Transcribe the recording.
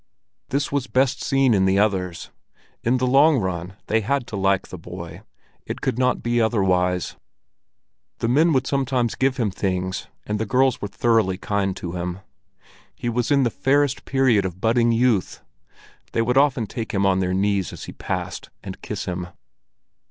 This was best seen in the others. In the long run they had to like the boy, it could not be otherwise. The men would sometimes give him things, and the girls were thoroughly kind to him. He was in the fairest period of budding youth; they would often take him on their knees as he passed, and kiss him.